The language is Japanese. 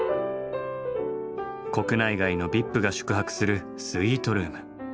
国内外のＶＩＰが宿泊するスイートルーム。